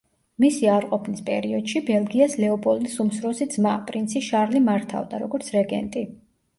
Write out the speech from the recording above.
მისი არ ყოფნის პერიოდში ბელგიას ლეოპოლდის უმცროსი ძმა, პრინცი შარლი მართავდა, როგორც რეგენტი.